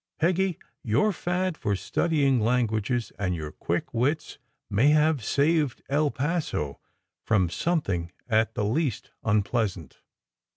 Peggy, your fad for studying languages and your quick wits may have saved El Paso from something at the least unpleasant."